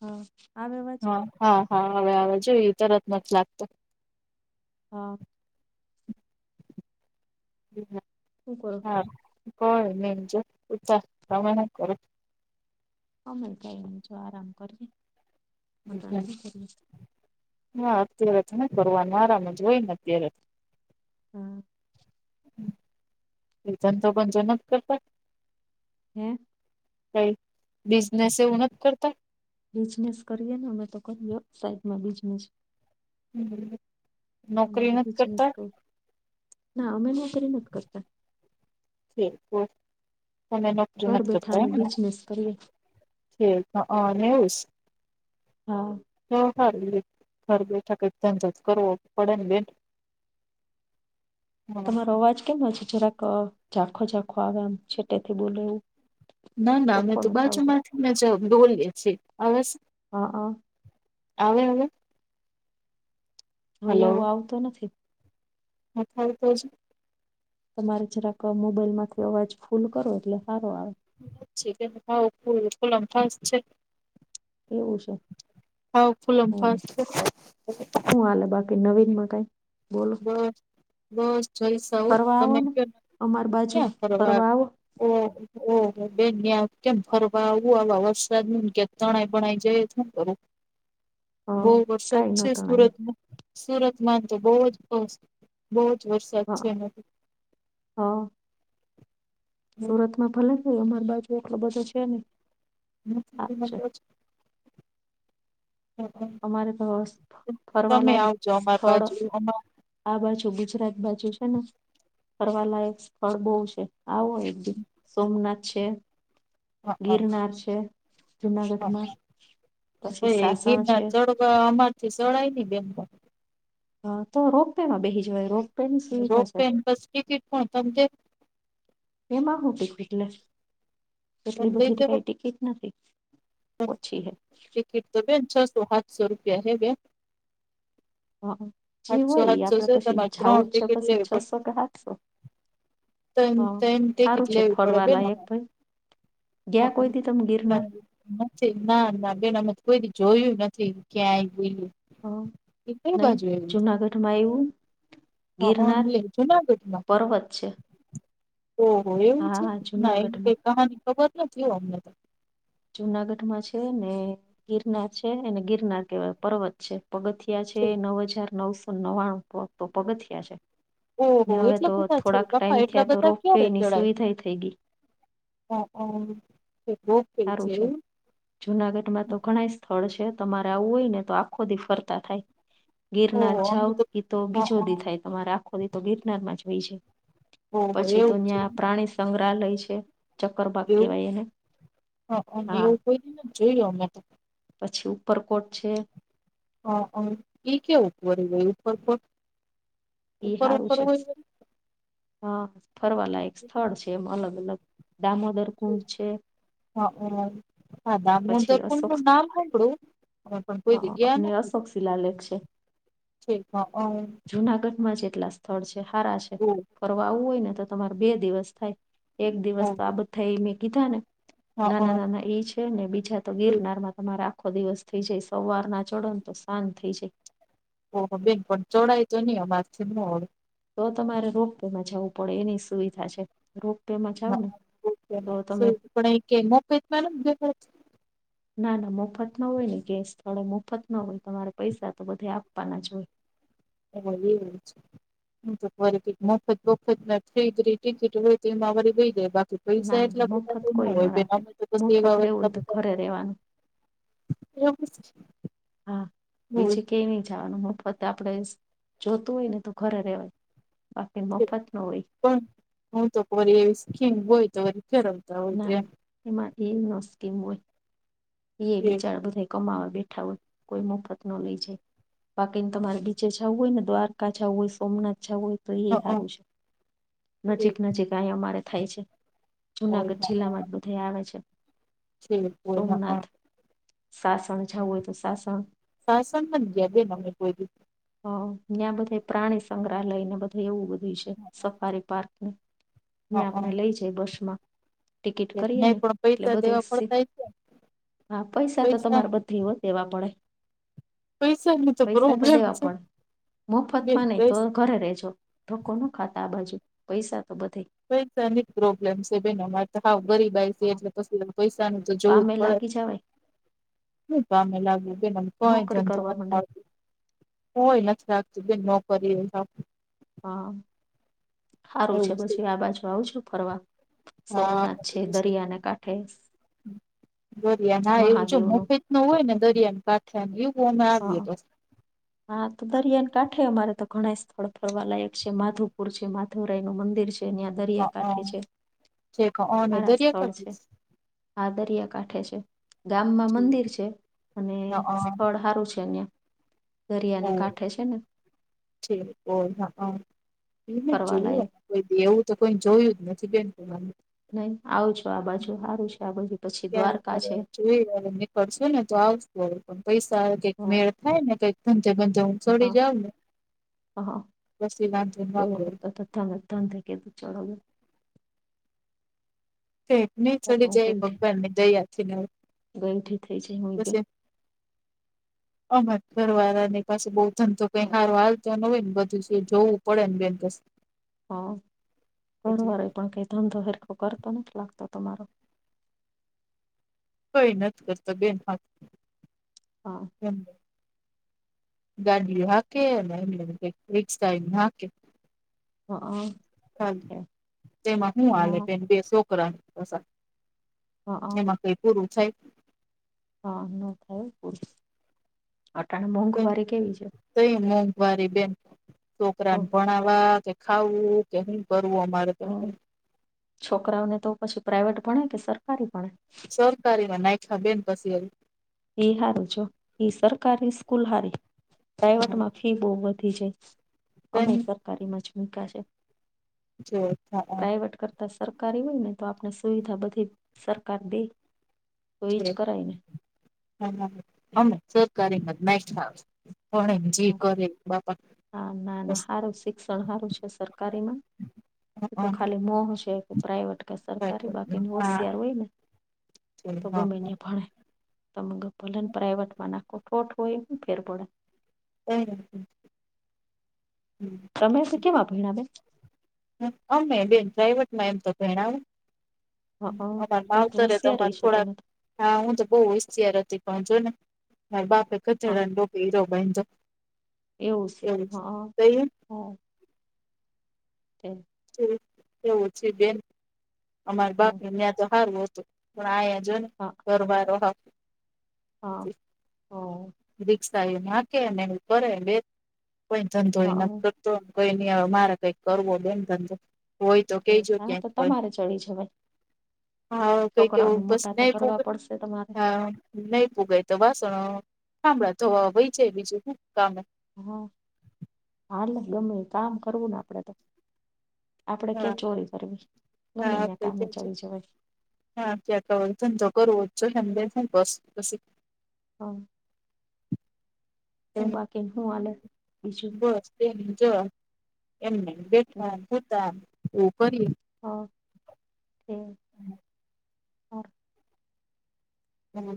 હા. આવે અવાજ હા, હા, હા! હવે, હવે જોયું, તરત માં જ લાગતો. હા. હમ. શું કરો છો? હા, કોઈ નહીં. જો સુતા, તમે હું કરો? અમે કાંઈ નહીં, જો આરામ કરીએ. અટાણે હમમ, શું કરીએ હા. અત્યારે તને કરવાનું આરામ જ હોય ને, અત્યારે. હા. એ જ તો પણ જનત કરતા. હ. કંઈ બિઝનેસ એવુ નથી કરતા? બિઝનેસ કરીએ ને, અમે તો કરીએ સાઈડમાં બિઝનેસ. હમમ, હમમ. અમારે બિઝનેસ તો ના, અમે નોકરી નથી કરતા. [unintelligible] તમે ન ઘર બેઠા અમે બિજનેસ કરીએ. હે, અહં, ને એવું સ. હા. તો સારું રે, ઘર બેઠા કંઈ ધંધો તો કરવું પડે ને, બેન. [unintelligible] તમારો અવાજ કેમ છે? જરાક ઝાખો-ઝાંખો આવે, એમ છેટેથી બોલે એવું ના, ના. અમે ચોખ્ખો તો નથી બાજુ આવતો માંથી ને જ બોલીએ છીએ, હવે. હ, હ. આવે, હવે? હવે એવું આવતું નથી. હથા તોજ [unintelligible] તમારે જરાક મોબાઈલ માંથી અવાજ ફૂલ કરો, એટલે સારો આવે. હજી આવું ફૂલમ ફાસ છે એવું છે હોવ ફુલમ ફાસ છે હું હાલે બાકી નવીનમાં કઈ બોલો બસ બસ જલ્સા હો ફરવા આવો તમે ને કયો અમાર બાજુ ક્યા ફરવા આવો ઓ ઓ બેન ત્યાં કેમ ફરવા આવું આવા વરસાદ માં ક્યાંક તણાઈ ભણાઈ જાય શું કરું [inaudible] બહુ વરસાદ કઈ ન છે તણાય સુરતમાં સુરતમાં તો બહુ જ બહુ જ વરસાદ છે એમાં હા સુરતમાં ભલે છેય અમારી બાજુ ખબર તો છે ને સારું છે [unintelligible] અમારે તો ફરવા તમે લાયક આવજો અમાર સ્થળ બાજુ અમાર આ બાજુ ગુજરાત બાજુ છે ને ફરલાયક સ્થળ બહુ છે આવો એક દી સોમનાથ છે હા ગિરનાર છે હા હ જુનાગઢમાં હા પછી ના સાસણ છે ગિરનાર ચડ અમારથી સળાય ને બેન હ તો રોપવે ના બેહી જવાય રો રોપવેે બસ ટિકિટ પણ તમજ એમાં હું ટિકિટ લે પણ એટલી લઈ જ બધી કઈ ટિકિટ નથી ઓછી હે ખીટ તો બેન છસો સાતસો રૂપિયા હે બેન હા જે સાતસો હોય સાતસો આપડે છે પછી તમારે ત્રણ જઉું જ છે ટિકિટ પછી લેવી પડે છસો કે સાતસો ત્રણ હ ત્રણ ટિકિટ સારું છે લેવી ફળ પડે બેન વાલા એક અમારે ભાઈ ગયા કોઈ ત તમ ગિરનાર નથી ના ના બેનામાં કોઈ જોયું નથી ક્યાંય ગલું હ નહી જુનાગઢ માં આવું હામ જુનાગઢમાં છે ઓહો એવું હા છે હા ના એની જુનાગઢમાં કઈ કહાની ખબર નથી હો અમને તો જુનાગઢમાં છે ને ગિરનાર છે અને ગિરનાર કેવાય પર્વત છે પગથિયા છે નવ હજાર નવસો નવ્વાણું તો પગથિયા છે ને ઓહો હવે એટલા તો બધા છે થોડાક બાપા ટાઈમ એટલા થયા તો બધા રોપવે ક્યારે એની સુવિધા થઈ ગઈ હ હ શ સારું છે જુનાગઢમાં તો ઘણય સ્થળ છે તમારે આવું હોય ને તો આખો દી ફરતા થાય ગિરનાર ઓહો અમે જાવ એ તો હા બીજો હા દી થાય તમારે આખો દી તો ગિરનારમાં જ હોય છે ઓહો પછી તો એવું છે ત્યાં પ્રાણી સંગ્રહાલય છે ચક્કર બાાગ એવું કેવાય એને હા અને એવું કોઈને જોયું અમે તો પછી ઉપરકોટ છે હ એ ક્યા ઉપર એ એ ઉપર એ ઉપર સારું ઉપર છે હોય વરી હા ફરવાલાયક સ્થળ છે એમ અલગ અલગ દામોદર કુંડ છે હા હ હા પછી નાામજર અશોક નામ સાભડું અમે પણ કોઈ જગ્યા નથી શિલાલેક્ષે ઠીક હ અ જુનાગઢમાં જેટલા સ્થળ છે સારા છે ફરવા આવું હોય ને તો તમારે બે દિવસ થાય એક દિવસ ઓહો તો આ બધા એ મેં કીધા ને હા નાના હા નાના ઈ છે ને બીજા તો ગીરનાર ઠીક તમારે આખો દિવસ થઇ જાય સવાર ના ચડને તો સાજ થઈ જાય ઓહો બેન! પણ ચડાય તો નહીં અમારથી નો અવે. તો તમારે રોપ વેમાં જાવું પડે એની સુવિધા છે. રોપ વેમાં ન [inaudible] ના ના મફત ન હોય ને ગેસ થોડે મફત નો હોય તમારે પૈસા તો બધે આપવાનાં જ હોય. હ એવું જ. હ તોરીક મફત બફતના ટિકિટ હોય તો એમાં વળી દેય દે બાકી પૈસા ના ના એટલા બધા મફત તો ન કોઈ નો હોય બેન રાખે, અમે તો પછી મફત એવા રહેેવું એટલા હોય તો બધા ઘરે રેવાનું. [unintelligible] હા બીજે કયાય નઈ જાવાનું મફત. આપણે જોતું હોય ને તો ઘરે રેવાય બાકી છે, મફત નો હોય. પણ હું તોરી એવી સ્કીમ હોય તો વળી [unintelligible] ના ના એમાં એ નો સ્કીમ હોય. એય એમ બિચાર બધાં કમાવા બેઠા હોય કોઈ મફત નો લઈ જાય. બાકીને તમારે નીચે જાવું હોય ને દ્વારકા જાવું હોય, સોમનાથ જાવું હોય તો એ હારું છે નજીક નજીક અયા અમારે થાય છે. જુનાગઢ જિલ્લામાં બધાં આવે છે. છે કોઈનો પણ. સોમનાથ સાસણ જાવું હોય તો સાસણ સાસણ નથ ગયા બેન અમે કોઈ દી. હ ન્યાં બધેય પ્રાણી સંગ્રહાલયને બધેય એવું બધું છે સફારી પાર્કને. હ અ ન્યાં આપણને લઈ જાય બસમાં. ટિકિટ ઠીક કરીએ નહી ને પણ એટલે પૈસા દેવા બધેય સીટ પડતા છે હા પૈસા તો તમારે બધેય હોય. દેવા પડે. પૈસાની તો પ્રોબ્લેમ છે. પણ બેન મોફતમાં નહીં તો પૈસ ઘરે રેહજો. ધકો નો ખાતા આ બાજુ પૈસા તો બધેય પૈસાની જ પ્રોબ્લેમ છે બેન અમાર. હાવ ગરીબાઈ છે અ, એટલે પછી પૈસાનું તો જોવું જ કામે પડે. લાગી જવાય હું કામે લાગીએ બેન અમે કઈ નોકરી જંજળ કરવા નથ માંડે મળતી. તોય નથી લાગતું બેન નોકરીયુ હા હારું છે પછી આ બાજુ આવજો ફરવા. સોમનાથ તો છે પછી દરિયાના કાંઠે. દરિયાન હા એવું જો મહાદેવનું મોફેતનુ હોય ને દરિયાન કા દીયુ બોન મે આવીએ હા તો. હા તો દરિયાન કાંઠે અમારે તો ઘણાંય સ્થળ ફરવા લાયક છે માધુપુર છે, માધવરાયનું મંદિર છે ન્યાં હઅ દરિયાકાઠે છે ઠીક હઅને હારા દરિયા સ્થળ કાંઠે છે. આ દરિયાકાાંઠે છે, ગામમાં ઠીક મંદિર છે અને હઅ સ્થળ સારું છે ન્યા. દરિયાનાકાંઠે છે ને? છે ઓ હા એને ફરવાલાયક જોઈએ. કોઈ દી એવું તો કોઈ જોયું જ નથી બેન તમાર. નઈ આવજો આ બાજુ હારું છે આ બાજુ. પછી દ્વારકા ક્યારે છે [inaudible] જોઈ અને નીકળશુ ને તો આવ પણ પૈસા આવે કઈક હા મેળ થાય ને કઈક ધંધો બંધો હું ચડી જાઉં ને. હા પછી વાન્ધો ના મલે. તો ને ધંધે કેથી ચડાવે. તો એટલે ત્યાં તો ચડી જાય ભગવાનની દયાથી ને ગઈ થી થઈ જાયે હોય ને. અમારે ઘરવાળાનેય પાસે બહુ ધંધો તો કંઈ હારો હાલતો ન હોય ને બધું જોવું પડે ને બેન પસી હા એટલે ઘરિવાર પણ કઈ ધંધો હેરખો કરતો નથી લાગતો તમારો. કઈ નથ કરતો બેન હાથ હા. હમ. ગાડી હાકે અને એમનેમ કંઈક રીક્ષાય હાકે. હા હાલ છે. તેમાં હુ હાલે હા તેન બે છોકરાન પાસા. હા એમાં કઈ પૂરું થાય. હા ન થાય પૂરી અટાણ મોંઘવારી કેવી છે. કઈ મોંઘવારી બેન તો છોકરાન ભણાવા કે ખાવું કે ન હુ કરવું અમારે. તો હમ છોકરાઓને તો પછી પ્રાાઈવેટ ભણે કે સરકારી ભણે. સરકારીમાં નાયખા બેન પસી એવી એઈ હારું જો સરકારી સ્કૂલ હારી પ્રાઈવેટમાં ફી બહુ વધી જાય અમે પછી સરકારીમાં જ મૂકા છે. જો પ્રાઈવેટ કર તા સરકારી હોય ને તો આપણે સુવિધા બધી સરકાર દે તો એજ કરાય ને. હા [unintelligible] સરકારી માજ નાયખા ભણે જે હા કરે હા ના ના બાપા હારું શિક્ષણ હારું છે સરકારી માં. એ તો ખાલી નોમ છેકે પ્રાઈવેટ કે સરકારી બાકીની હોશિયાર હોય ને તો ગમે ન્યા ભણે. તમે ગઈ ભલેન પ્રાાઈવેટ માં નાખો ખોટ હોય એ હુ ફેર પડે. [unintelligible] હ હ. સમય શું કેવા ભનાવે. અમે બેન પ્રાઇવેટમાં અમે ભયણા હો. હા હા, અમાર માવતરે તો હોશિયાર અમાર છો થોડાક તમે તો. હા હું તો બહુ હોશિયાર હતી પણ જોને મારા બાપ એ ગધેડા હા ના ટોપે હીરો બાંઈધો. એવું છે હા હા. તે થોડુંક એવું છે બેન. અમારી બાપ હમ, ન્યા તો હારું હતું પણ આયા જો ને. હા. ઘરવારો હાવ હા હા રિકક્ષાય એને હાકે ને એનું કરે બેન કોઈ ધંધો એ નથ હા કર તો કઈ ન હવે મારે કઈક કરવો બેન ધંધો. હોય તો તે. કહી જો હા, ક્યાક તો કોઈ હોય. તમારે ચડી જવાય હા કઈક એવું છોકરાઓને બસ મોટા તો નહી કોક કરવા પડશે તમારે હા. નહી પૂગાય તો વાસણો થામડા ધોવા વય જાય બીજું હું કામે. હા હાલે ગમે ઈ કામ કરવું ને આપડે તો. આપડે હા ક્યાં ચોરી કરવી ગમે હા ન્યા આપડે કામે ત્યાં છે ચડી જવાય. હા ક્યાંક હવે ધંધો કરવો જોહે ને બે હું કરશું પછી. હા. હું બાકીન હું હલે બીજું. કંઈ નહી જોઓ એમનેમ બેઠાન હુતાન એવું કરીએ. હા એમ.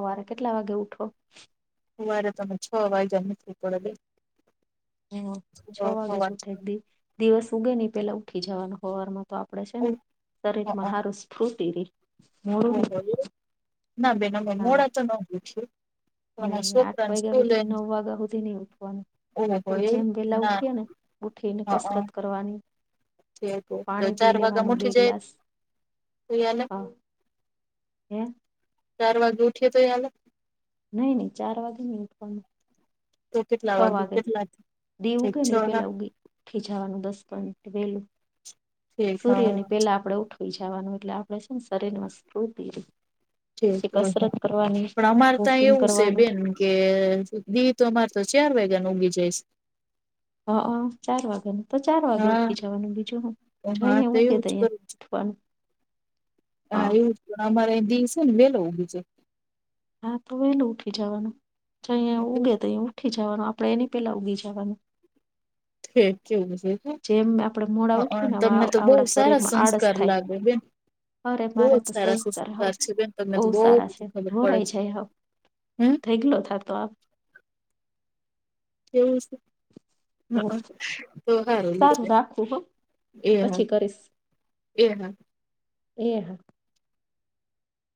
હવારે કેટલા વાગે ઉઠો. હવારે તો હુ છ વાયગા મ ઉઠવું પડે બેન. એહુ છ સવાર વાગે જ ઉઠાય સવાર બેન દિવસ ઉગે નહ પેલા ઉઠી જવાનો હવારમાં તો આપ આપડે છે ને શરીરમાં હારું સ્ફૂર્તિ રે. ઓ મોડું હો ની એવું ના બેન અમે મોડા તો ન ઉઠીએ. પણ નઈ ન આઠ છોકરાને વાગ્યા સ્કૂલે હુધી નવ વાગ્યા હુધી નહી ઉઠવાનું. ઓહો આપણે એવું જેમ વેલા ના ઉઠીએ ને ઉઠીને હઅ કસરત કરવાની તો પાણી પી ચાર વાગા લેવાનું બે ઉઠી જાય ગ્લાસ તોય હાલે હ હે ચાર વાગે ઉઠી્યો તો એ હાલે નહી નહી ચાર વાગે ની ઉઠવાનું તો છ કેટલા વાગે કેટલા દી ઠીક ઊગે છ ને ઈ હા પેલા ઉગી ઉઠી જવાનું દસ પંદર મિનિટ વહેલું ઠીક સૂર્ય હા ની પેલા આપણેે ઉઠ થી જવાનું એટલે આપડે છે ને શરીર માં સ્ફૂર્તિ રે ઠક પછી હોય હ કસરત કરવાની પણ અમારે ત્યાં વોકિંગ એવું શે કરવાનું બેન કે દી તો અમારે તો ચાર વાગ્યાને ઊગી જાઈશે હ ચાર વાગે ન તો ચાર વાગે ઉઠી હા જવાનું બીજું હું હા જઈએ તો ઉગે એવું જ તઈ એ કરું પન હા એવું જ પણ અમારે દિ છે ને વેલો ઊગી જાય હા તો વેલું ઉઠી જવાનું જ અહીંયા ઉગે તો અહીં ઉઠી જવાનું આપણેે એની પેલા ઊગી જવાનું ઠેક કેવું જે જેમ આપણેે મોડા ઉઠીએ ને આ બહુ આવણા સારા શરીરમાં આળસ સંસ્કાર થાય લાગે બેન અરે બહુ જ મારા તો સારા સંસ્કાર આવ છે બેન તમને બહુ તો સારા છે બધી ખબર પડે ઢોરાઈ છે. જાય હાવ હમ ઢગલો થતો આમ એવું છે હ તો હારું સારું રાખવું હો એ હમ પછી કરીશ એ હા એ હા